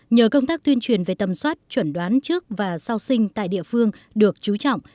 nhờ công tác tuyên truyền về tầm soát trần đoán chức và sơ sinh tại địa phương được chú trọng